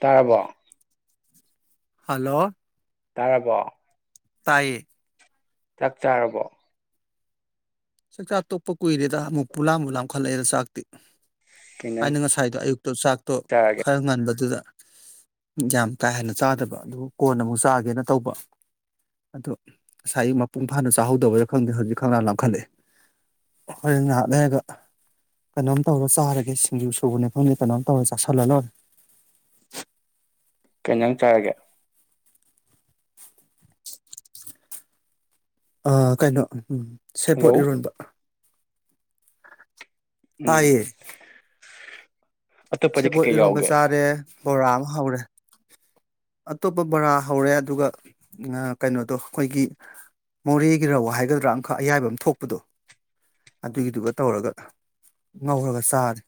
ꯇꯥꯔꯕꫭ꯫ Hello ꯇꯥꯔꯕꯣ ꯇꯥꯏꯌꯦ ꯆꯥꯛ ꯆꯥꯔꯕꯣ ꯆꯥꯛ ꯆꯥ ꯇꯣꯛꯞꯄ ꯀꯨꯏꯔꯦꯗ ꯑꯃꯨꯛ ꯄꯨ ꯂꯥꯝ ꯕꯨ ꯂꯥꯝꯈꯠꯂꯛꯑꯦꯗ ꯆꯥꯛꯇꯤ ꯀꯩꯅꯪ ꯑꯩꯅ ꯉꯁꯥꯏꯗꯣ ꯑꯌꯨꯛ ꯇꯣ ꯆꯥꯛꯇꯣ ꯆꯥꯔꯒꯦ ꯈꯔ ꯉꯟꯕꯗꯨꯗ ꯌꯥꯝ ꯀꯥ ꯍꯦꯟꯅ ꯆꯥꯗꯕ ꯑꯗꯨ ꯀꯣꯟꯅ ꯑꯃꯨꯛ ꯆꯥꯒꯦꯅ ꯇꯧꯕ ꯑꯗꯣ ꯉꯁꯥꯏ ꯑꯌꯨꯛ ꯃꯄꯨꯡ ꯐꯥꯅ ꯆꯥꯍꯧꯗꯕꯩꯔ ꯈꯪꯗꯦ ꯍꯧꯖꯤꯛ ꯈꯪꯂꯥꯝ ꯂꯥꯝꯈꯠꯂꯛꯑꯦ ꯍꯣꯔꯦꯟ ꯉꯍꯥꯛ ꯂꯩꯔꯒ ꯀꯩꯅꯣꯝ ꯇꯧꯔ ꯆꯥꯔꯒꯦ ꯁꯤꯡꯖꯨ ꯁꯨꯕꯅꯤ ꯈꯪꯗꯦ ꯀꯩꯅꯣꯝ ꯇꯧꯔ ꯆꯥꯥꯁꯜꯂ ꯂꯣꯏꯔꯦ ꯀꯩꯩꯏꯟꯖꯥꯡ ꯆꯥꯔꯒꯦ ꯑ ꯀꯩꯅꯣ ꯎꯝ ꯁꯦꯕꫭꯠ ꯍꯜꯂꯣ ꯏꯔꯣꯟꯕ ꯎꯝ ꯇꯥꯏꯌꯦ [unintelligible] ꯁꯦꯕꯣꯠ ꯀꯩꯀꯩ ꯏꯔꯣꯟꯝꯕ ꯌꯥꯎꯒꯦ ꯆꯥꯔꯦ ꯕꯣꯔꯥ ꯑꯃ ꯍꯧꯔꯦ ꯑꯇꯣꯞꯄ ꯕꫭꯔꯥ ꯍꯧꯔꯦ ꯑꯗꯨꯒ ꯀꯩꯅꯣꯗꯣ ꯑꯈꯣꯏꯒꯤ ꯃꯣꯔꯦꯒꯤ ꯔꯧ ꯍꯥꯏꯒꯗ꯭ꯔꯥ ꯑꯃꯈꯛ ꯑꯌꯥꯏꯕꯃ ꯊꯣꯛꯄꯗꯣ ꯑꯗꯨꯒꯤꯗꯨꯒ ꯇꯧꯔꯒ ꯉꯧꯔꯒ ꯆꯥꯔꯦ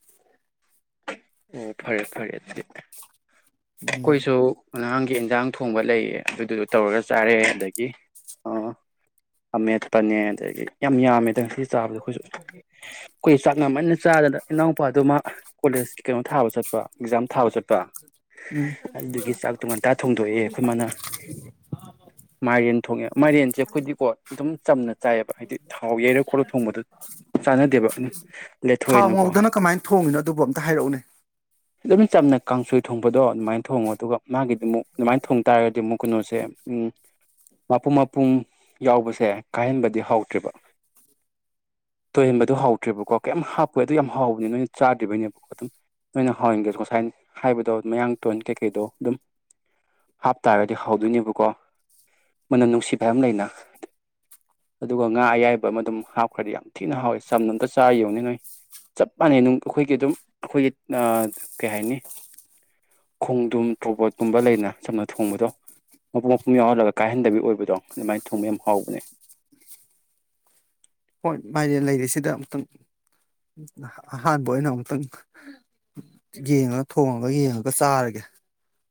ꯑꯣ ꯐꯔꯦ ꯐꯔꯦ ꯑꯗꯨꯗꯤ ꯎꯝ ꯈꫭꯏꯁꯨ ꯉꯔꯥꯡꯒꯤ ꯏꯟꯖꯥꯡ ꯊꯣꯡꯕ ꯂꯩꯌꯦ ꯑꯗꯨꯗꯨꯁꯨ ꯇꯧꯔꯒ ꯆꯥꯔꯦ ꯑꯗꯒꯤ ꯑ ꯑꯃꯃꯦꯠꯄꯅꯦ ꯑꯗꯒꯤ ꯌꯥꯝ ꯌꯥꯝꯃꯦ ꯉꯁꯤ ꯆꯥꯕꯗ ꯑꯈꯣꯏꯁꯨ ꯑꯈꯣꯏ ꯆꯥꯛ ꯉꯃꯟꯅ ꯆꯥꯒꯗ ꯏꯅꯥꯎꯄꯥꯗꯨ ꯃꯥ ꯀꯣꯂꯦꯖꯀꯤ ꯀꯩꯅꯣ ꯊꯥꯕ ꯆꯠꯄ ꯑꯦꯛꯖꯥꯝ ꯊꯥꯕ ꯆꯠꯄ ꯎꯝ ꯑꯗꯨꯒꯤ ꯆꯥꯛꯇꯣ ꯉꯟꯇꯥ ꯊꯣꯡꯗꯣꯛꯑꯦ ꯑꯈꯣꯏ ꯃꯥꯅ ꯃꯥꯏꯔꯦꯟ ꯊꯣꯡꯉꯦ ꯃꯥꯏꯔꯦꯟꯁꯦ ꯑꯩꯈꯣꯏꯗꯤꯀꯣ ꯑꯗꯨꯝ ꯆꯝꯅ ꯆꯥꯏꯑꯕ ꯍꯥꯏꯗꯤ ꯊꯥꯎ ꯌꯩꯔ ꯈꯣꯠꯂꯛ ꯊꯣꯡꯕꯗ ꯆꯥꯟꯅꯗꯦꯕ ꯊꯥꯎ ꯂꯦꯊꯣꯛꯑꯦꯅꯀꯣ ꯉꯧꯗꯅ ꯀꯃꯥꯏꯅ ꯊꯣꯡꯉꯤꯅꯣ ꯑꯗꯨꯕꯨ ꯑꯝꯇ ꯍꯥꯏꯔꯛꯎꯅꯦ ꯑꯗꯨꯝ ꯆꯝ ꯅ ꯀꯥꯡꯁꯣꯏ ꯊꯣꯡꯕꯗꯣ ꯑꯗꯨꯃꯥꯏꯅ ꯊꯣꯡꯉꯣ ꯑꯗꯨꯒ ꯃꯥꯒꯤꯗꯤ ꯑꯃꯨꯛ ꯑꯗꯨꯃꯥꯏꯅ ꯊꯣꯡ ꯇꯥꯔꯒꯗꯤ ꯑꯃꯨꯛ ꯀꯩꯅꯣꯁꯦ ꯎꯝ ꯃꯄꯨꯝ ꯃꯄꯨꯝ ꯌꯥꯎꯕꯁꯦ ꯀꯥꯏꯍꯟꯕꯗꯤ ꯍꯥꯎꯇꯦꯕ ꯇꯣꯏꯍꯟꯕꯗꯨ ꯍꯥꯎꯗꯇ꯭ꯔꯦꯕꯀꯣ ꯀꯩꯝ ꯍꯥꯞꯄꯣꯏ ꯑꯗꯨ ꯌꯥꯝ ꯍꯥꯎꯕꯅꯤ ꯅꯣꯏꯅ ꯆꯥꯗ꯭ꯔꯤꯕꯅꯦꯕꯀꯣ ꯑꯗꯨꯝ ꯅꯣꯏꯅ ꯍꯥꯎꯍꯟꯒꯦꯁꯨ [unintelligible] ꯍꯥꯏꯕꯗꯣ ꯃꯌꯥꯡ ꯇꯣꯟ ꯀꯩꯀꯩꯗꯣ ꯑꯗꯨꯝ ꯍꯥꯞꯇꯥꯔꯗꯤ ꯍꯥꯎꯗꯣꯏꯅꯦꯕꯀꯣ ꯃꯟꯅ ꯅꯨꯡꯁꯤꯕ ꯍꯥꯏꯕꯝ ꯂꯩꯅ꯫ ꯑꯗꯨꯒ ꯉꯥ ꯑꯌꯥꯏꯕ ꯑꯃ ꯑꯗꯨꯝ ꯍꯥꯞꯈ꯭ꯔꯗꯤ ꯌꯥꯝ ꯊꯤꯅ ꯍꯥꯎꯋꯦ ꯆꯝꯅ ꯑꯝꯇ ꯆꯥ ꯌꯦꯡꯉꯨꯅꯦ ꯅꯣꯏ ꯆꯞ ꯃꯥꯟꯅꯩ ꯑꯗꯨꯝ ꯑꯩꯈꯣꯏꯒꯤ ꯑꯗꯨꯝ ꯑꯩꯈꯣꯏꯒꯤ ꯀꯩ ꯍꯥꯏꯅꯤ ꯈꯣꯡꯗꯨꯝ ꯇ꯭ꯔꯣꯕꯣꯠꯀꯨꯝꯕ ꯂꯩꯗꯅ ꯆꯝꯅ ꯊꯣꯡꯕꯗꯣ ꯃꯄꯨꯝ ꯃꯄꯨꯝ ꯌꯥꯎꯍꯜꯂꯒ ꯀꯥꯏꯍꯟꯗꯕꯤ ꯑꯣꯏꯕꯗꯣ ꯑꯗꯨꯃꯥꯏꯅ ꯊꯣꯡꯕ ꯌꯦꯡꯉꯨ ꯍꯥꯎꯕꯅꯦ ꯍꯣꯏ ꯃꯥꯏꯔꯦꯟ ꯂꯩꯔꯤꯁꯤꯗ ꯑꯝꯇꯪ ꯑꯍꯥꯟꯕ ꯑꯣꯏꯅ ꯑꯝꯇꯪ ꯌꯦꯡꯉꯒ ꯊꯣꯡꯉꯒ ꯌꯦꯡꯉꯒ ꯆꯥꯔꯒꯦ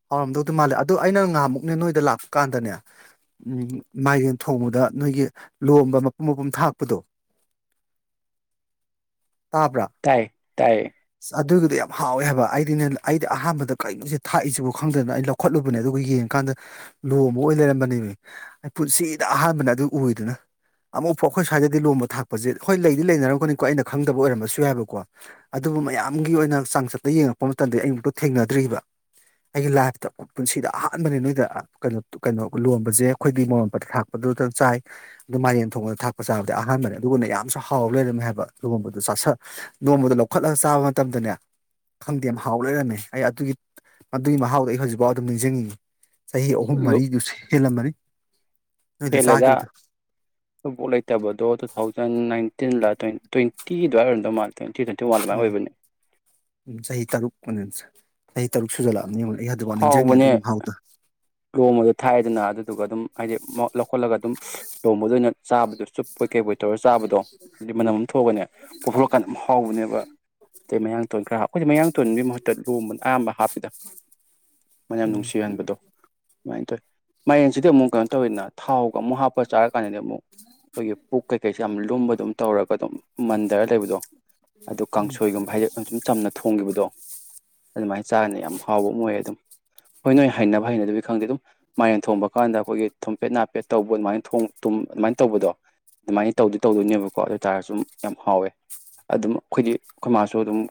ꯍꯥꯎꯔꯝꯗꯧꯗꯤ ꯃꯥꯜꯂꯦ ꯑꯗꯨ ꯑꯩꯅ ꯉꯍꯥꯃꯨꯛꯅꯦ ꯅꯣꯏꯗ ꯂꯥꯛꯄ ꯀꯥꯟꯗꯅꯦ ꯎꯝ ꯃꯥꯏꯔꯦꯟ ꯊꯣꯡꯕꯗꯅꯦ ꯅꯣꯏꯒꯤ ꯂꯣꯝꯕ ꯃꯄꯨꯝ ꯃꯄꯨꯝ ꯊꯥꯛ ꯄꯗꯣ ꯇꯥꯕ꯭ꯔꯥ ꯇꯥꯏ ꯇꯥꯏ ꯑꯁ ꯑꯗꯨꯒꯤꯗꯤ ꯌꯥꯝ ꯍꯥꯎꯋꯦ ꯍꯥꯏꯕ ꯑꯩꯗꯤꯅꯦ ꯑꯩꯗꯤ ꯑꯍꯥꯟꯕꯗ ꯀꯔꯤ ꯅꯣꯁꯤ ꯊꯥꯛꯏꯁꯤꯕ ꯈꯪꯗꯗꯅ ꯑꯩ ꯂꯧꯈꯠꯂꯨꯕꯅꯦ ꯑꯗꯨꯒ ꯌꯦꯡꯀꯥꯟꯗ ꯂꯣꯕ ꯑꯃ ꯑꯣꯏꯔ ꯂꯩꯔꯝꯕꯅꯦꯃꯤ ꯑꯩ ꯄꯨꯟꯁꯤꯗ ꯑꯍꯥꯟꯕꯅ ꯑꯗꯨ ꯑꯣꯏꯗꯅ ꯑꯃꯨꯛꯐꯥꯎ ꯑꯩꯈꯣꯏ ꯁ꯭ꯋꯥꯏꯗꯗꯤ ꯂꯣꯟꯕ ꯊꯥꯛꯄꯁꯦ ꯍꯣꯏ ꯂꯩꯗꯤ ꯂꯩꯅꯔꯝꯒꯅꯤꯀꯣ ꯑꯩꯅ ꯈꯪꯗꯕ ꯑꯣꯏꯔꯃꯁꯨ ꯌꯥꯏꯕꯀꯣ ꯑꯗꯨꯕꯨ ꯃꯌꯥꯝꯒꯤ ꯑꯣꯏꯅ ꯆꯥꯡꯆꯠꯇ ꯌꯦꯡꯉꯛꯄ ꯃꯇꯝꯗ ꯑꯃꯛꯇ ꯊꯦꯡꯅꯗ꯭ꯔꯤꯕ ꯑꯩꯒꯤ ꯂꯥꯏꯐꯇ ꯄꯨꯟꯁꯤꯗ ꯑꯍꯥꯟꯕꯅꯤ ꯅꯣꯏꯗ ꯀꯩꯅꯣ ꯀꯩꯅꯣ ꯂꯣꯟꯕꯁꯦ ꯑꯩꯈꯣꯏꯒꯤ ꯕꯤꯃꯣꯜꯅ ꯊꯥꯛꯄꯗꯨꯗꯪ ꯆꯥꯏ ꯑꯗꯨ ꯃꯥꯂꯦꯝ ꯊꯣꯡꯕꯗ ꯊꯥꯛꯄ ꯆꯥꯕꯗꯤ ꯑꯍꯥꯟꯕꯅꯦ ꯑꯗꯨꯒꯨꯝꯅ ꯌꯥꯝꯁꯨ ꯍꯥꯎ ꯂꯩꯔꯝꯃꯦ ꯍꯥꯏꯕ ꯂꯨꯍꯣꯡꯕꯗ ꯆ ꯂꯨꯣꯡꯕꯗ ꯂꯧꯈꯠꯂꯒ ꯆꯥꯕ ꯃꯇꯝꯗꯅꯦ ꯈꯪꯗꯦ ꯌꯥꯝ ꯍꯥꯎ ꯂꯩꯔꯝꯃꯦ ꯑꯩ ꯑꯗꯨꯒꯤ ꯑꯗꯨꯒꯤ ꯃꯍꯥꯎꯗꯣ ꯑꯩ ꯍꯧꯖꯤꯛꯐꯥꯎ ꯑꯗꯨꯝ ꯅꯤꯡꯁꯤꯡꯅꯤꯡꯉꯤ ꯆꯍꯤ ꯑꯍꯨꯝ ꯃꯔꯤꯗꯨꯁ ꯍꯦꯜꯂꯝꯃꯅꯤ ꯅꯣꯏꯗ ꯍꯦꯂꯦ ꯗ ꯆꯥꯈꯤꯕꯗꯣ ꯑꯈꯣꯏ ꯕꯣꯚ ꯂꯩꯇꯕꯗꯣ ꯇꯨ ꯊꯥꯎꯖꯟ ꯅꯥꯏꯟꯇꯤꯟꯂ ꯇ꯭ꯋꯦꯟꯇꯤ ꯑꯗꯨꯋꯥꯏ ꯑꯣꯏꯔꯝꯗꯧ ꯃꯥꯜꯂꯦ ꯇ꯭ꯋꯦꯟꯇꯤ ꯇ꯭ꯋꯦꯟꯇꯤ ꯋꯥꯟ ꯑꯗꯨꯃꯥꯏꯅ ꯎꯝ ꯑꯣꯏꯕꯅꯦ ꯎꯝ ꯆꯍꯤ ꯇꯔꯨꯛ ꯃꯨꯛ ꯆꯍꯤ ꯇꯔꯨꯛ ꯁꯨꯖꯂꯥ ꯑꯕꯅꯤ ꯌꯦꯡꯉꯣ ꯑꯗꯨꯒ ꯅꯤꯡꯁꯤꯡꯉꯦ ꯑꯗꯨꯒꯤ ꯃꯍꯥꯎꯗ ꯂꯣꯡꯃꯗꯣ ꯊꯥꯛꯑꯦꯗꯅ ꯑꯗꯨꯗꯨꯒ ꯑꯗꯨꯝ ꯍꯥꯏꯗꯤ ꯂꯧꯈꯠꯂꯒ ꯑꯗꯨꯝ ꯂꯣꯝꯕꯗꯣ ꯑꯣꯏꯅ ꯆꯥꯕꯗꯣ ꯆꯨꯞꯄꯣꯏ ꯀꯩꯄꯣꯏ ꯇꯧꯔꯒ ꯆꯥꯕꯗꯣ ꯑꯗꯨ ꯃꯅꯝ ꯑꯃ ꯊꯣꯛꯑꯅꯦ ꯄꯣꯊꯣꯔꯛꯑꯀꯥꯟꯗ ꯑꯗꯨꯝ ꯍꯥꯎꯕꯅꯦꯕ ꯑꯇꯩ ꯃꯌꯥꯡꯇꯣꯟ ꯈ꯭ꯔꯥ ꯑꯩꯈꯣꯏꯗꯤ ꯃꯌꯥꯡ ꯃꯇꯣꯟꯒꯤ ꯃꯍꯨꯠꯇ ꯂꯣꯝꯕꯅ ꯑꯌꯥꯝꯕ ꯍꯥꯞꯄꯤꯗ ꯃꯅꯝ ꯎꯝ ꯅꯨꯡꯁꯤꯍꯟꯕꯗꯣ ꯑꯗꯨꯃꯥꯏ ꯇꯧꯋꯦ ꯃꯥꯏꯔꯦꯟꯁꯤꯗꯤ ꯑꯃꯨꯛ ꯀꯥꯟ ꯇꯧꯋꯤꯅꯥ ꯊꯥꯎꯒ ꯑꯃꯨꯛ ꯍꯥꯞꯄ ꯆꯥꯔꯛ ꯀꯥꯟꯗꯗꯤ ꯑꯃꯨꯛ ꯑꯩꯈꯣꯏꯒꯤ ꯄꯨꯛ ꯀꯩꯀꯩꯁꯦ ꯌꯥꯝ ꯂꯨꯝꯕ ꯑꯗꯨꯝ ꯇꯧꯔꯒ ꯑꯗꯨꯝ ꯃꯟꯊꯔ ꯂꯩꯕꯗꯣ ꯑꯗꯨꯝ ꯀꯥꯡꯁꯣꯏꯒꯨꯝꯕ ꯍꯥꯏꯗꯤ ꯁꯨꯝ ꯆꯝꯅ ꯊꯣꯡꯈꯤꯕꯗꯣ ꯑꯗꯨꯃꯥꯏꯅ ꯆꯥꯅ ꯌꯥꯝ ꯍꯥꯎꯕ ꯑꯃ ꯑꯣꯏꯌꯦ ꯑꯗꯨꯝ ꯍꯣꯏ ꯅꯣꯏ ꯍꯩꯅꯕ ꯍꯩꯅ ꯈꯪꯗꯦ ꯑꯗꯨꯝ ꯃꯥꯏꯔꯦꯟ ꯊꯣꯡꯕ ꯀꯥꯟꯗ ꯑꯩꯈꯣꯏꯒꯤ ꯊꯣꯝꯄꯦꯠ ꯅꯥꯄꯦꯠ ꯇꯧꯕ ꯑꯗꯨꯃꯥꯏꯅ ꯇꯨꯝ ꯑꯗꯨꯃꯥꯏꯅ ꯇꯧꯕꯗꯣ ꯑꯗꯨꯃꯥꯏꯅ ꯇꯧꯗꯤ ꯇꯧꯗꯣꯏꯅꯦꯕꯀꯣ ꯑꯗꯨ ꯑꯣꯏꯇꯥꯥꯔꯒꯁꯨ ꯌꯥꯝ ꯍꯥꯎꯋꯦ ꯑꯗꯨꯝ ꯑꯩꯈꯣꯏꯗꯤ ꯑꯩꯈꯣꯏ ꯃꯥꯁꯨ ꯑꯗꯨꯝ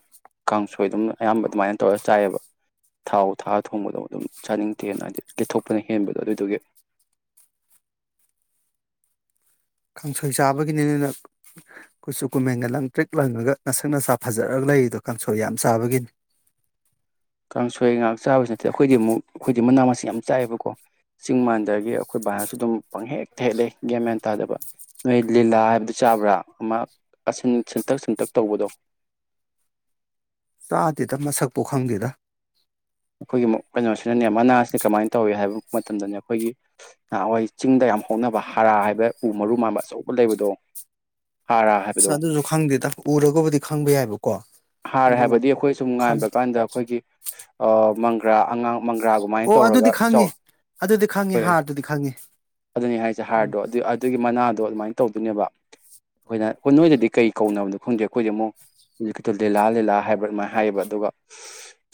ꯀꯥꯡꯁꯣꯏ ꯑꯗꯨꯝ ꯑꯌꯥꯝꯕ ꯑꯗꯨꯃꯥꯏꯅ ꯇꯧꯔꯒ ꯆꯥꯏꯑꯦꯕ ꯊꯥꯎ ꯊꯥꯛ ꯊꯣꯡꯕꯗꯣ ꯑꯗꯨꯝ ꯆꯥꯅꯤꯡꯗꯦꯅ ꯍꯥꯏꯗꯤ ꯀꯦꯠꯊꯣꯛꯄꯅ ꯍꯦꯟꯕꯗꯣ ꯑꯗꯨꯗꯨꯒꯤ ꯀꯥꯡꯁꯣꯏ ꯆꯥꯕꯒꯤꯅꯤꯅꯤꯅ ꯀꯨꯆꯨ ꯀꯨꯃꯦꯟꯒ ꯂꯪ ꯇ꯭ꯔꯤꯛ ꯂꯪꯉꯒ ꯅꯁꯛ ꯅꯁꯥ ꯐꯖꯔꯒ ꯂꯩꯔꯤꯗꯣ ꯀꯥꯡꯁꯣꯏ ꯌꯥꯝ ꯆꯥꯕꯒꯤꯅꯤ ꯀꯥꯡꯁꯣꯏ ꯉꯥꯏꯍꯥꯛ ꯆꯥꯕꯁꯨ ꯅꯠꯇꯦ ꯑꯩꯈꯣꯏꯗꯤ ꯑꯃꯨꯛ ꯑꯩꯈꯣꯏꯗꯤ ꯃꯅꯥ ꯃꯁꯤꯡ ꯌꯥꯝ ꯆꯥꯏꯑꯦꯕꯀꯣ ꯆꯤꯡ ꯃꯥꯟꯗꯒꯤ ꯑꯩꯈꯣꯏ ꯕꯥꯅꯁꯨ ꯑꯗꯨꯝ ꯄꯪꯍꯦꯛꯇ ꯍꯦꯛꯂꯦ ꯒꯌꯥꯟ ꯃꯦꯟ ꯇꯥꯗꯦꯕ ꯅꯣꯏ ꯂꯤꯂꯥ ꯍꯥꯏꯕꯗꯨ ꯆꯥꯕ꯭ꯔꯥ ꯑꯃ ꯑꯁꯤꯟ ꯁꯤꯟꯇꯛ ꯁꯤꯟꯇꯛ ꯇꯧꯕꯗꯣ ꯆꯥꯗꯦꯗ ꯃꯁꯛꯄꯨ ꯈꯪꯗꯦꯗ ꯑꯩ ꯀꯩꯅꯣꯁꯦ ꯁꯤꯅꯦ ꯃꯅꯥꯁꯦ ꯀꯃꯥꯏꯅ ꯇꯧꯋꯤ ꯍꯥꯏꯕ ꯃꯇꯝꯗꯅꯦ ꯑꯩꯈꯣꯏꯒꯤ ꯅꯍꯥꯟꯋꯥꯏ ꯆꯤꯡꯗ ꯌꯥꯝ ꯍꯧꯅꯕ ꯍꯥꯔꯥ ꯍꯥꯏꯕ ꯎ ꯃꯔꯨ ꯃꯥꯟꯕ ꯑꯆꯧꯕ ꯂꯩꯕꯗꯣ ꯍꯥꯔꯥ ꯍꯥꯏꯕꯗꯣ ꯑꯗꯨꯁꯨ ꯈꯪꯗꯦꯗ ꯎꯔꯒꯕꯨꯗꯤ ꯈꯪꯕ ꯌꯥꯏꯕꯀꯣ ꯍꯥꯔ ꯑꯗꯨ ꯍꯥꯏꯕꯗꯤ ꯑꯩꯈꯣꯏ ꯁꯨꯝ ꯉꯥꯟꯕ ꯈꯪꯗꯦ ꯀꯥꯟꯗ ꯑꯩꯈꯣꯏꯒꯤ ꯑ ꯃꯪꯒ꯭ꯔꯥ ꯑꯉꯥꯡ ꯃꯪꯒ꯭ꯔꯥꯒꯨꯃꯥꯏꯅ ꯑꯣ ꯇꯧꯔꯒ ꯑꯗꯨꯗꯤ ꯆꯥꯎ ꯈꯪꯉꯤ ꯑꯗꯨꯗꯤ ꯈꯪꯉꯤ ꯍꯣꯏꯍꯦ ꯍꯥꯔꯗꯨꯗꯤ ꯈꯪꯉꯤ ꯑꯗꯨꯅꯤ ꯍꯥꯏꯁꯦ ꯎꯝ ꯍꯥꯏꯔꯗꯣ ꯑꯗꯨ ꯑꯗꯨꯒꯤ ꯃꯅꯥꯗꯣ ꯑꯗꯨꯃꯥꯏꯅ ꯇꯧꯗꯣꯏꯅꯦꯕ ꯑꯩꯈꯣꯏꯅ ꯀ ꯅꯣꯏꯗꯗꯤ ꯀꯩ ꯀꯧꯅꯕꯅꯣ ꯈꯪꯗꯦ ꯑꯩꯈꯣꯏꯗꯤ ꯑꯃꯨꯛ ꯇꯨ ꯂꯤꯂꯥ ꯂꯤꯂꯥ ꯍꯥꯏꯕ ꯑꯗꯨꯃꯥꯏꯅ ꯍꯥꯏꯌꯦꯕ ꯑꯗꯨꯒ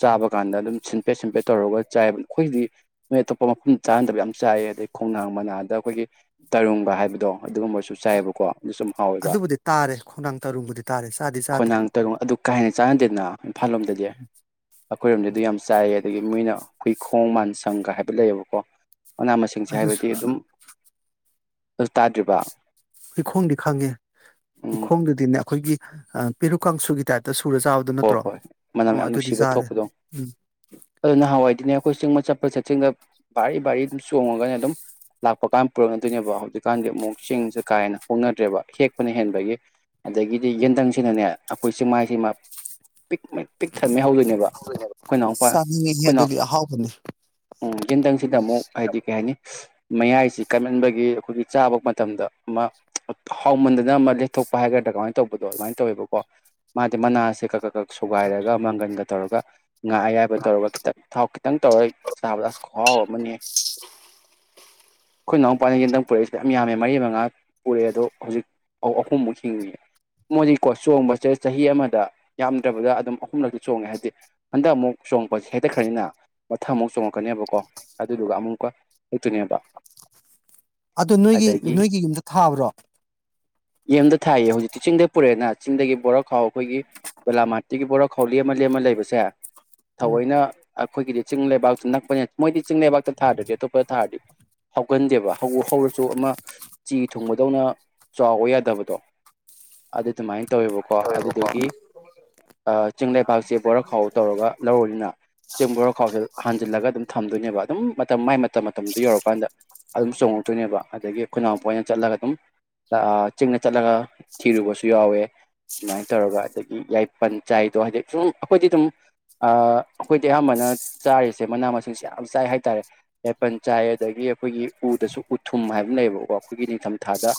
ꯆꯥꯕ ꯀꯥꯟꯗ ꯑꯗꯨꯝ ꯁꯤꯟ ꯄꯦꯠ ꯁꯤꯝꯄꯦꯠ ꯇꯧꯔꯒ ꯆꯥꯏꯌꯦꯕ ꯑꯩꯈꯣꯏꯒꯤꯗꯤ ꯅꯣꯏ ꯑꯇꯣꯞꯄ ꯃꯐꯝꯗ ꯆꯥꯅꯗꯕ ꯌꯥꯝ ꯆꯥꯏ ꯑꯗꯩ ꯈꯣꯡꯅꯥꯡ ꯃꯅꯥꯗ ꯑꯩꯈꯣꯏꯒꯤ ꯇꯔꯨꯡꯒ ꯍꯥꯏꯕꯗꯣ ꯑꯗꯨꯒꯨꯝꯕꯁꯨ ꯆꯥꯏꯌꯦꯕꯀꯣ ꯑꯗꯨꯁꯨ ꯌꯥꯝ ꯍꯥꯎꯋꯦꯕ ꯑꯗꯨꯕꯨꯗꯤ ꯇꯥꯔꯦ ꯈꯣꯡꯅꯥꯡ ꯇꯔꯨꯡꯕꯨꯗꯤ ꯇꯥꯔꯦ ꯆꯥꯗꯤ ꯆꯥꯗ꯭ꯔꯤ ꯈꯣꯡꯅꯥꯡ ꯇꯔꯨꯡ ꯑꯗꯨ ꯀꯥ ꯍꯦꯟꯅ ꯆꯥꯟꯅꯗꯦꯅ ꯏꯝꯐꯥꯜ ꯂꯣꯝꯗꯗꯤ ꯑꯩꯈꯣꯏꯔꯣꯝꯗ ꯑꯗꯨ ꯌꯥꯝ ꯆꯥꯏꯌꯦ ꯑꯗꯒꯤ ꯃꯣꯏꯅ ꯍꯨꯏꯈꯣꯡ ꯃꯥꯟꯁꯪꯒ ꯍꯥꯏꯕ ꯂꯩꯌꯦꯕꯀꯣ ꯃꯅꯥ ꯃꯁꯤꯡꯁꯦ ꯑꯗꯨꯁꯨ ꯍꯥꯏꯕꯗꯤ ꯑꯗꯨꯝ ꯑꯗꯨ ꯇꯥꯗ꯭ꯔꯤꯕ ꯍꯩꯈꯣꯡꯗꯤ ꯈꯪꯉꯦ ꯎꯝ ꯑ ꯄꯤꯔꯨꯀ ꯀꯡꯁꯨꯒꯤ ꯇꯥꯏꯞꯇ ꯁꯨ ꯍꯣꯏ ꯍꯣꯏ ꯃꯅꯝ ꯌꯥꯝ ꯅꯨꯡꯁꯤꯕ ꯆꯥꯔꯦ ꯊꯣꯛꯄꯗꯣ ꯎꯝ ꯑꯗꯣ ꯅꯍꯥꯟꯋꯥꯏꯗꯤꯅꯦ ꯑꯩꯈꯣꯏ ꯆꯤꯡꯃ ꯆꯠꯄ ꯆꯠꯆꯤꯡꯗ ꯚꯥꯔꯤ ꯚꯥꯔꯤ ꯑꯗꯨꯝ ꯆꯣꯡꯉꯒꯅꯦ ꯑꯗꯨꯝ ꯂꯥꯛꯄ ꯀꯥꯟ ꯄꯨꯔꯛꯅꯗꯣꯏꯅꯦꯕ ꯍꯧꯖꯤꯛꯀꯥꯟꯗꯤ ꯑꯃꯨꯛ ꯆꯤꯡꯁꯦ ꯀꯥ ꯍꯦꯟꯅ ꯍꯣꯡꯅꯗ꯭ꯔꯦꯕ ꯍꯦꯛꯄꯅ ꯍꯦꯟꯕꯒꯤ ꯑꯗꯒꯤꯗꯤ ꯌꯦꯟꯗꯪꯁꯤꯅꯅꯦ ꯑꯩꯈꯣꯏ ꯆꯤꯡꯃꯥꯏꯁꯤꯃ ꯄꯤꯛ ꯃꯩ ꯄꯤꯛ ꯊꯟꯃꯩ ꯍꯧꯗꯣꯏꯅꯦꯕ ꯑꯩꯈꯣꯏ ꯅꯥꯎꯄꯥ ꯆꯥꯅꯤꯡꯉꯤꯍꯦ ꯑꯩꯈꯣꯏꯅꯥꯎ ꯑꯗꯨꯗꯤ ꯑꯍꯥꯎꯕꯅꯦ ꯎꯝ ꯌꯦꯟꯊꯪꯁꯤꯅ ꯃꯨꯛ ꯍꯥꯏꯗꯤ ꯀꯩ ꯍꯥꯏꯅꯤ ꯃꯌꯥꯏꯁꯤ ꯀꯥꯟꯃꯟꯕꯒꯤ ꯑꯩꯈꯣꯏꯒꯤ ꯆꯥꯕ ꯃꯇꯝꯗ ꯑꯃ ꯍꯥꯎꯃꯟꯗꯅ ꯑꯃ ꯂꯦꯊꯣꯛꯄ ꯍꯥꯏꯒꯗ꯭ꯔꯥ ꯀꯃꯥꯏꯅ ꯇꯧꯕꯗꯣ ꯑꯗꯨꯃꯥꯏꯅ ꯇꯧꯋꯦꯕꯀꯣ ꯃꯥꯗꯤ ꯃꯅꯥꯁꯦ ꯀꯛ ꯀꯛ ꯀꯛ ꯁꯨꯒꯥꯏꯔꯒ ꯃꯪꯒꯟꯒ ꯇꯧꯔꯒ ꯉꯥ ꯑꯌꯥꯏꯕ ꯇꯧꯔꯒ ꯈꯤꯇꯪ ꯊꯥꯎ ꯈꯤꯇꯪ ꯇꯧꯔ ꯆꯥꯕꯗ ꯑꯁ ꯈꯨꯍꯥꯎ ꯑꯃꯅꯤꯍꯦ ꯑꯩꯈꯣꯏ ꯅꯅꯥꯎꯄꯥꯥꯅ ꯌꯦꯟꯇꯪ ꯄꯨꯔꯛꯏꯁꯤꯗꯤ ꯌꯥꯝ ꯌꯥꯝꯃꯦ ꯃꯔꯤ ꯃꯉꯥ ꯄꯨꯔꯛꯑꯦ ꯑꯗꯣ ꯍꯧꯖꯤꯛ ꯑꯍꯨꯝꯃꯨꯛ ꯍꯤꯡꯉꯤ ꯃꯣꯏꯗꯤꯀꯣ ꯆꯣꯡꯕꯁꯦ ꯆꯍꯤ ꯑꯃꯗ ꯌꯥꯝꯗ꯭ꯔꯕꯗ ꯑꯗꯨꯝ ꯑꯍꯨꯝꯂꯛꯇꯤ ꯆꯣꯡꯉꯦ ꯍꯥꯏꯕꯗꯤ ꯍꯟꯗꯛ ꯑꯃꯨꯛ ꯆꯣꯡꯉꯛꯄꯁꯦ ꯍꯦꯛꯇꯈ꯭ꯔꯅꯤꯅ ꯃꯊꯪ ꯑꯃꯨꯛ ꯆꯣꯡꯉꯛꯀꯅꯦꯕꯀꯣ ꯑꯗꯨꯗꯨꯒ ꯑꯃꯨꯛꯀ ꯍꯦꯛꯇꯣꯅꯦꯕ ꯑꯗꯨ ꯅꯣꯏꯒꯤ ꯅꯣꯏꯒꯤ ꯌꯨꯝꯗ ꯊꯥꯕ꯭ꯔꯣ ꯌꯨꯝꯗ ꯊꯥꯏꯌꯦ ꯍꯧꯖꯤꯛꯇꯤ ꯆꯤꯡꯗ ꯄꯨꯔꯛꯑꯦꯅ ꯆꯤꯡꯗꯒꯤ ꯕꯣꯔꯣꯛ ꯈꯥꯎ ꯑꯩꯈꯣꯏꯒꯤ ꯕꯦꯂꯥꯃꯥꯇꯤꯒꯤ ꯕꯣꯔꯥꯈꯧ ꯂꯦꯝꯃ ꯂꯦꯝꯃ ꯂꯩꯕꯁꯦ ꯎꯝ ꯊꯑꯣꯏꯅ ꯑꯩꯈꯣꯏꯒꯤꯗꯤ ꯆꯤꯡ ꯂꯩꯕꯥꯛꯇꯨ ꯅꯛꯄꯅꯤꯅ ꯃꯣꯏꯗꯤ ꯆꯤꯡ ꯂꯩꯕꯥꯛꯇ ꯊꯥꯗ꯭ꯔꯗꯤ ꯑꯇꯣꯞꯄ ꯊꯥꯔꯗꯤ ꯍꯧꯒꯟꯗꯦꯕ ꯍꯧꯔ ꯍꯧꯔꯁꯨ ꯑꯃ ꯆꯤ ꯊꯨꯡꯕꯗꯧꯅ ꯆꯥꯎꯕ ꯌꯥꯗꯕꯗꯣ ꯑꯗꯨ ꯑꯗꯨꯃꯥꯏꯅ ꯇꯧꯋꯦꯕꯀꯣ ꯑꯗꯨꯗꯨꯒꯤ ꯑ ꯆꯤꯡ ꯂꯩꯕꯥꯛꯁꯦ ꯕꯣꯔꯈꯥꯎ ꯇꯧꯔꯒ ꯂꯧꯔꯅꯤꯅ ꯆꯤꯡ ꯕꯣꯔ ꯈꯥꯎꯁꯦ ꯍꯥꯟꯖꯤꯜꯂꯒ ꯑꯗꯨꯝ ꯊꯝꯗꯣꯏꯅꯦꯕ ꯑꯗꯨꯝ ꯃꯇꯝ ꯃꯥꯏ ꯃꯇꯝ ꯃꯇꯝꯗꯨ ꯌꯧꯔꯛꯀꯥꯟꯗ ꯑꯗꯨꯝ ꯆꯣꯡꯉꯛꯇꯣꯏꯅꯦꯕ ꯑꯗꯒꯤ ꯈꯨꯏꯅꯥꯎꯄ ꯑꯣꯏꯅ ꯆꯠꯂꯒ ꯑꯗꯨꯝ ꯑ ꯆꯤꯡꯗ ꯌꯥꯏ ꯆꯠꯂꯒ ꯊꯤꯔꯨꯕꯁꯨ ꯌꯥꯎꯋꯦ ꯑꯗꯨꯃꯥꯏꯅ ꯇꯧꯔꯒ ꯑꯗꯒꯤ ꯄꯟ ꯆꯥꯏꯗꯣ ꯍꯥꯏꯗꯤ ꯁꯨꯝ ꯑꯩꯈꯣꯏꯗꯤ ꯑꯗꯨꯝ ꯑ ꯑꯩꯈꯣꯏꯗꯤ ꯑꯌꯥꯝꯥꯟꯕꯅ ꯆꯥꯔꯤꯁꯦ ꯃꯅꯥ ꯃꯁꯤꯡꯁꯦ ꯌꯥꯝ ꯆꯥꯏ ꯍꯥꯏꯇꯥꯔꯦ ꯌꯥꯄꯟ ꯆꯥꯏ ꯑꯗꯒꯤ ꯑꯩꯈꯣꯏꯒꯤ ꯎꯗꯁꯨ ꯎꯊꯨꯝ ꯍꯥꯏꯕ ꯂꯩꯌꯦꯕꯀꯣ ꯑꯩꯈꯣꯏꯒꯤ ꯅꯤꯡꯊꯝꯊꯥꯗ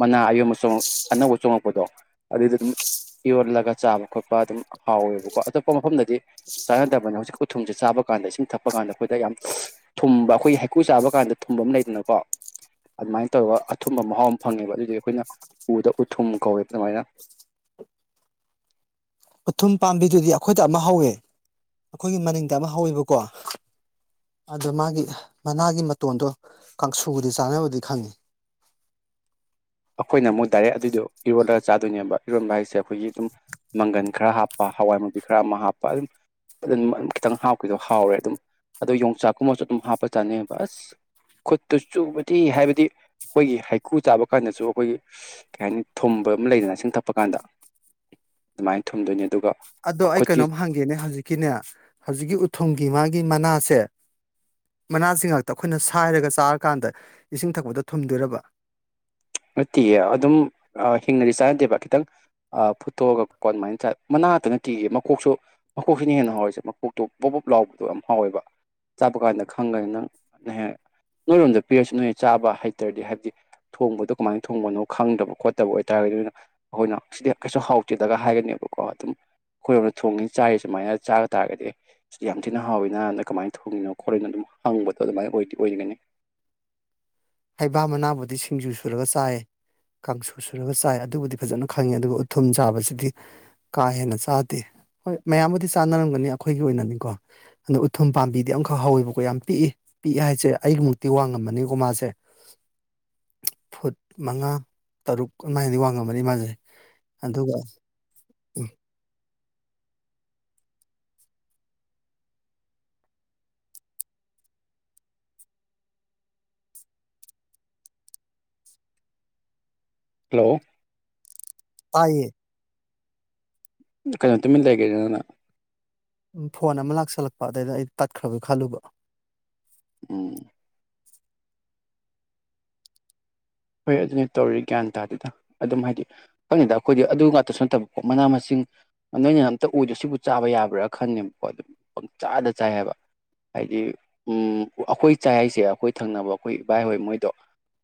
ꯃꯅꯥ ꯑꯌꯣꯟꯕ ꯆꯣꯡꯛ ꯑꯅꯧꯕ ꯆꯣꯉꯛꯄꯗꯣ ꯑꯗꯨꯏꯗ ꯑꯗꯨꯝ ꯌꯣꯜꯂꯒ ꯆꯥꯕ ꯈꯣꯠꯄ ꯑꯗꯨꯝ ꯍꯥꯎꯋꯦꯕꯀꯣ ꯑꯇꯣꯞꯄ ꯃꯐꯝꯗꯗꯤ ꯆꯥꯅꯗꯕꯅꯤ ꯍꯧꯖꯤꯛ ꯎꯊꯨꯝꯁꯦ ꯆꯥꯕ ꯀꯥꯟꯗ ꯏꯁꯤꯡ ꯊꯛꯄ ꯀꯥꯟꯗ ꯑꯩꯈꯣꯏꯗ ꯌꯥꯝ ꯊꯨꯝꯕ ꯑꯩꯈꯣꯏꯒꯤ ꯍꯩꯀꯨ ꯆꯥꯕ ꯀꯥꯟꯗ ꯊꯨꯝꯕ ꯑꯃ ꯂꯩꯗꯅꯀꯣ ꯑꯗꯨꯃꯥꯏꯅ ꯇꯧꯔꯒ ꯑꯊꯨꯝꯕ ꯃꯍꯥꯎ ꯑꯃ ꯐꯪꯉꯦꯕ ꯑꯗꯨꯗꯨꯏ ꯑꯩꯈꯣꯏꯅ ꯎꯗ ꯎꯊꯨꯝ ꯀꯧꯋꯦꯕ ꯑꯗꯨꯃꯥꯏꯅ ꯎꯊꯨꯝ ꯄꯥꯝꯕꯤꯗꯨꯗꯤ ꯑꯩꯈꯣꯏꯗ ꯑꯃ ꯍꯧꯋꯦ ꯑꯩꯈꯣꯏꯒꯤ ꯃꯅꯤꯡꯗ ꯑꯃ ꯍꯧꯋꯦꯕꯀꯣ ꯑꯗꯣ ꯃꯥꯒꯤ ꯃꯅꯥꯒꯤ ꯃꯇꯣꯟꯗꯣ ꯀꯥꯡꯁꯨꯕꯨꯗꯤ ꯆꯥꯅꯕꯗꯤ ꯈꯪꯉꯤ ꯑꯩꯈꯣꯏꯅ ꯑꯃꯨꯛ ꯗꯥꯏꯔꯦꯛ ꯑꯗꯨꯏꯗꯣ ꯏꯔꯣꯜꯂ ꯆꯥꯗꯣꯏꯅꯦꯕ ꯏꯔꯣꯟꯕ ꯍꯥꯏꯁꯦ ꯑꯩꯈꯣꯏꯒꯤ ꯑꯗꯨꯝ ꯃꯪꯒꯟ ꯈꯔ ꯍꯥꯞꯄ ꯍꯋꯥꯏ ꯃꯨꯕꯤ ꯈꯔ ꯑꯃ ꯍꯥꯞꯄ ꯑꯗꯨꯝ ꯑꯗꯨ ꯈꯤꯇꯪ ꯍꯥꯞꯈꯤꯗꯣ ꯍꯥꯎꯔꯦ ꯑꯗꯨꯝ ꯑꯗꯣ ꯌꯣꯡꯆꯥꯛꯀꯨꯝꯕꯁꯨ ꯑꯗꯨꯝ ꯍꯥꯞꯄ ꯆꯥꯅꯩꯑꯕ ꯑꯁ ꯈꯨꯠꯇꯨ ꯆꯨꯕꯗꯤ ꯍꯥꯏꯕꯗꯤ ꯑꯩꯈꯣꯏꯒꯤ ꯍꯩꯀꯨ ꯆꯥꯕ ꯀꯥꯟꯗꯁꯨ ꯑꯩꯈꯣꯏꯒꯤ ꯀꯩ ꯍꯥꯏꯅꯤ ꯊꯨꯝꯕ ꯑꯃ ꯂꯩꯗꯅ ꯏꯁꯤꯡ ꯊꯛꯄ ꯀꯥꯟꯗ ꯑꯗꯨꯃꯥꯏꯅ ꯊꯨꯝꯗꯣꯏꯅꯦ ꯑꯗꯣ ꯑꯩ ꯀꯩꯅꯣꯝ ꯍꯪꯒꯦꯅꯦ ꯍꯧꯖꯤꯛꯀꯤꯅꯦ ꯍꯧꯖꯤꯛꯀꯤ ꯎꯊꯨ ꯊꯨꯝꯒꯤ ꯃꯥꯒꯤ ꯃꯅꯥꯁꯦ ꯃꯅꯥꯁꯤ ꯉꯥꯛꯇ ꯑꯩꯈꯣꯏꯅ ꯁꯥꯏꯔꯒ ꯆꯥꯔꯀꯥꯟꯗ ꯏꯁꯤꯡ ꯊꯛꯄꯗ ꯊꯨꯝꯗꯣꯏꯔꯕ ꯅꯠꯇꯤꯌꯦ ꯑꯗꯨꯝ ꯑ ꯍꯤꯡꯅꯗꯤ ꯆꯥꯅꯗꯦꯕ ꯈꯤꯇꯪ ꯑ ꯐꯨꯠꯇꯣꯛꯑꯒ ꯀꯣ ꯑꯗꯨꯃꯥꯏꯅ ꯆꯥ ꯃꯅꯥꯇ ꯅꯠꯇꯤꯌꯦ ꯃꯀꯣꯛꯁꯨ ꯃꯈꯀꯣꯛꯁꯤꯅ ꯍꯦꯟꯅ ꯍꯥꯎꯋꯁꯦ ꯃꯀꯣꯛꯇꯣ ꯄꯣꯕꯣꯞ ꯂꯥꯎꯕꯗꯣ ꯌꯥꯝ ꯍꯥꯎꯋꯦꯕ ꯆꯥꯕ ꯀꯥꯟꯗ ꯈꯪꯉꯒꯅꯤ ꯅꯪ ꯅꯍꯦ ꯅꯣꯏꯔꯣꯝꯗ ꯄꯤꯔꯁꯨ ꯅꯣꯏ ꯆꯥꯕ ꯍꯩꯇ꯭ꯔꯗꯤ ꯍꯥꯏꯕꯗꯤ ꯊꯣꯡꯕꯗꯣ ꯀꯃꯥꯏꯅ ꯊꯣꯡꯕꯅꯣ ꯈꯪꯗꯕ ꯈꯣꯠꯇꯕ ꯑꯣꯏꯇꯥꯔꯒꯗꯤ ꯑꯗꯨꯅ ꯑꯩꯈꯣꯏꯅ ꯁꯤꯗꯤ ꯀꯩꯁꯨ ꯍꯥꯎꯆꯦꯗꯒ ꯍꯥꯏꯒꯅꯦꯕꯀꯣ ꯑꯗꯨꯝ ꯑꯩꯈꯣꯏꯔꯣꯝꯗ ꯊꯣꯡꯉꯤ ꯆꯥꯏꯔꯤ ꯁꯨꯃꯥꯏꯅ ꯆꯥꯕ ꯇꯥꯔꯒꯗꯤ ꯁꯤꯗꯤ ꯌꯥꯝ ꯊꯤꯅ ꯍꯥꯎꯋꯤꯅꯥꯅ ꯀꯃꯥꯏꯅ ꯊꯣꯡꯉꯤꯅꯣ ꯈꯣꯠꯂꯤꯅꯣ ꯑꯗꯨꯝ ꯍꯪꯕꯗꯣ ꯑꯗꯨꯃꯥꯏꯅ ꯑꯣꯏꯗꯤ ꯑꯣꯏꯒꯅꯤ ꯍꯩꯕꯥ ꯃꯅꯥꯕꯨꯗꯤ ꯁꯤꯡꯖꯨ ꯁꯨꯔꯒ ꯆꯥꯏ ꯀꯥꯡꯁꯨ ꯁꯨꯔꯒ ꯆꯥꯏ ꯑꯗꯨꯕꯨꯗꯤ ꯐꯖꯅ ꯈꯪꯉꯦ ꯑꯗꯨꯒ ꯎꯊꯨꯝ ꯆꯥꯕꯁꯤꯗꯤ ꯀꯥ ꯍꯦꯟꯅ ꯆꯥꯗꯦ ꯍꯣꯏ ꯃꯌꯥꯝꯕꯨꯗꯤ ꯆꯥꯅꯔꯝꯒꯅꯤ ꯑꯩꯈꯣꯏꯒꯤ ꯑꯣꯏꯅꯅꯤꯀꯣ ꯑꯗꯣ ꯎꯊꯨꯝ ꯄꯥꯝꯕꯤꯗꯤ ꯑꯃꯈꯛ ꯍꯧꯋꯦꯕꯀꯣ ꯌꯥꯝ ꯄꯤꯛꯏ ꯄꯤꯛꯏ ꯍꯥꯏꯁꯦ ꯑꯩꯒꯤꯃꯨꯛꯇꯤ ꯋꯥꯡꯉꯝꯃꯅꯤꯀꯣ ꯃꯥꯁꯦ ꯐꯨꯠ ꯃꯉꯥ ꯇꯔꯨꯛ ꯑꯗꯨꯃꯥꯏꯅꯗꯤ ꯋꯥꯡꯉꯝꯕꯅꯤ ꯃꯥꯁꯦ ꯑꯗꯨꯒ ꯎꯝ ꯍꯂꯣ ꯇꯥꯏꯌꯦ ꯀꯩꯅꯣ ꯇꯨꯃꯤꯟ ꯂꯩꯒ꯭ꯔꯤꯗꯨꯅ ꯐꯣꯟ ꯑꯃ ꯂꯥꯛꯁꯜꯂꯛꯄ ꯑꯗꯩꯗ ꯑꯩ ꯇꯠꯈ꯭ꯔꯕꯒꯤ ꯈꯜꯂꯨꯕ ꯎꯝ ꯍꯣꯏ ꯑꯗꯨꯅꯦ ꯇꯧꯔꯤ ꯒ꯭ꯌꯥꯟ ꯇꯥꯗꯦꯗ ꯑꯗꯨꯝ ꯍꯥꯏꯗꯤ ꯈꯪꯗꯦꯗ ꯑꯩꯈꯣꯏꯗꯤ ꯑꯗꯨ ꯉꯥꯛꯇꯁꯨ ꯅꯠꯇꯕꯀꯣ ꯃꯅꯥ ꯃꯁꯤꯡ ꯅꯣꯏꯅ ꯑꯝꯇ ꯑꯣꯏꯗꯣ ꯁꯤꯕꯨ ꯆꯥꯕ ꯌꯥꯕ꯭ꯔꯥ ꯈꯪꯅꯦꯕꯀꯣ ꯑꯗꯨꯝ ꯄꯪ ꯆꯥꯗ ꯆꯥꯏ ꯍꯥꯏꯕ ꯍꯥꯏꯗꯤ ꯎꯝ ꯑꯩꯈꯣꯏ ꯆꯥꯏ ꯍꯥꯏꯁꯦ ꯑꯩꯈꯣꯏ ꯊꯪꯅꯕ ꯑꯩꯈꯣꯏ ꯏꯕꯥꯏꯍꯣꯏ ꯃꯣꯏꯗꯣ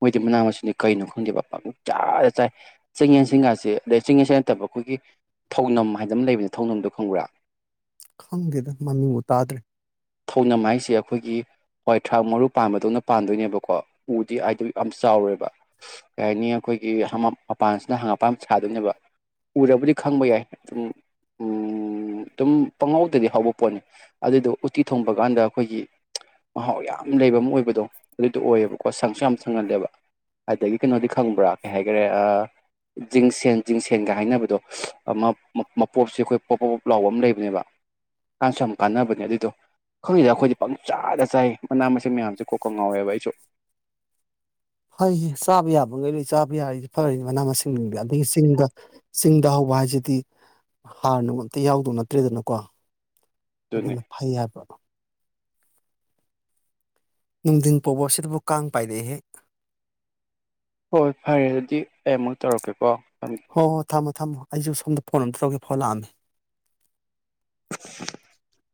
ꯃꯣꯏꯗꯤ ꯃꯅꯥ ꯃꯁꯤꯡ ꯀꯩꯅꯣ ꯈꯪꯗꯦꯕ ꯄꯪꯆꯥꯗ ꯆꯥꯏ ꯆꯤꯡꯌꯦꯟꯁꯤꯟꯒꯥꯁꯦ ꯑꯗꯩ ꯆꯤꯡꯌꯦꯟꯁꯤꯟ ꯅꯠꯇꯕ ꯑꯩꯈꯣꯏꯒꯤ ꯊꯧꯅꯝ ꯍꯥꯏꯗ ꯑꯃ ꯂꯩꯕꯅꯤ ꯊꯧꯅꯝꯗꯣ ꯈꯪꯕ꯭ꯔꯥ ꯈꯪꯗꯦꯗ ꯃꯃꯤꯕꯨ ꯇꯥꯗ꯭ꯔꯤ ꯊꯧꯅꯝ ꯍꯥꯏꯁꯦ ꯑꯩꯈꯣꯏꯒꯤ ꯍꯋꯥꯏꯊ꯭ꯔꯥꯛ ꯃꯔꯨ ꯄꯥꯟꯕꯗꯧꯅ ꯄꯥꯟꯗꯣꯏꯅꯦꯕꯀꯣ ꯎꯗꯤ ꯍꯥꯏꯗꯤ ꯌꯥꯝ ꯆꯥꯎꯔꯣꯏꯕ ꯀꯩꯍꯥꯏꯅꯤ ꯑꯩꯈꯣꯏꯒꯤ ꯍ ꯃꯄ ꯃꯄꯥꯟꯁꯤꯅ ꯍꯪꯒꯥꯝꯄꯥꯟ ꯁꯥꯗꯣꯏꯅꯦꯕ ꯎꯔꯕꯨꯗꯤ ꯈꯪꯕ ꯌꯥꯏ ꯎꯝ ꯎꯝ ꯑꯗꯨꯝ ꯄꯪꯉꯧꯗꯗꯤ ꯍꯧꯕ ꯄꯣꯠꯅꯤ ꯑꯗꯨꯗꯣ ꯎꯇꯤ ꯊꯣꯡꯕ ꯀꯥꯟꯗ ꯑꯩꯈꯣꯏꯒꯤ ꯃꯍꯥꯎ ꯌꯥꯝ ꯂꯩꯕ ꯑꯃ ꯑꯣꯏꯕꯗꯣ ꯑꯗꯨꯗꯣ ꯑꯣꯏꯌꯦꯕꯀꯣ ꯁꯪꯁꯨ ꯌꯥꯝ ꯁꯪꯍꯜꯂꯦꯕ ꯑꯗꯒꯤ ꯀꯩꯅꯣꯗꯤ ꯈꯪꯕ꯭ꯔꯥ ꯀꯩ ꯍꯥꯏꯈꯔꯦ ꯖꯤꯡꯁꯦꯟ ꯖꯤꯡꯁꯦꯟꯒ ꯍꯥꯏꯅꯕꯗꯣ ꯑꯃ ꯃ ꯃꯄꯣꯠꯁꯤ ꯑꯩꯈꯣꯏ ꯄꯣꯞ ꯄ ꯄꯣꯞ ꯂꯥꯎꯕ ꯑꯃ ꯂꯩꯕꯅꯦꯕ ꯀꯥꯟ ꯁꯨ ꯌꯥꯝ ꯀꯥꯟꯅꯕꯅꯦ ꯑꯗꯨꯏꯗꯣ ꯈꯪꯗꯦꯗ ꯑꯩꯈꯣꯏꯗꯤ ꯄꯪꯆꯥꯗ ꯆꯥꯏ ꯃꯅꯥ ꯃꯁꯤꯡ ꯃꯌꯥꯝꯁꯦ ꯀꯣꯛꯀ ꯉꯧꯔꯦꯕ ꯑꯩꯁꯨ ꯐꯩꯌꯦ ꯆꯥꯕ ꯌꯥꯕ ꯉꯩ ꯂꯩ ꯆꯥꯕ ꯌꯥꯔꯤꯗꯤ ꯐꯔꯅꯤ ꯃꯅꯥ ꯃꯁꯤꯡꯁꯤꯡꯗꯤ ꯑꯗꯒꯤ ꯆꯤꯡꯗ ꯆꯤꯡꯗ ꯍꯧꯕ ꯍꯥꯏꯁꯤꯗꯤ ꯍꯥꯔꯅ ꯑꯝꯇ ꯌꯥꯎꯗꯧ ꯅꯠꯇ꯭ꯔꯦꯗꯅꯀꯣ ꯑꯗꯨꯅꯦ ꯑꯗꯨꯅ ꯐꯩ ꯍꯥꯏꯕ ꯅꯨꯡꯊꯤꯟ ꯄꯣꯛꯕ ꯑꯁꯤꯗꯕꯨ ꯀꯥꯡ ꯄꯥꯏꯔꯛꯏꯍꯦꯛ ꯍꯣꯏ ꯐꯔꯦ ꯑꯗꯨꯗꯤ ꯑꯩ ꯑꯃꯨꯛ ꯇꯧꯔꯛꯀꯦꯀꯣ ꯊꯝꯃꯦ ꯍꯣ ꯍꯣ ꯊꯝꯃꯣ ꯊꯝꯃꯣ ꯑꯩꯁꯨ ꯁꯣꯝꯗ ꯐꯣꯟ ꯑꯝꯇ ꯇꯧꯒꯦ ꯐꯥꯎ ꯂꯥꯛꯑꯝꯃꯤ [unintelligible]